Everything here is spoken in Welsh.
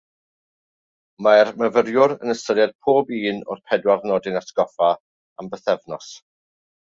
Mae'r myfyriwr yn ystyried pob un o'r pedwar nodyn atgoffa am bythefnos.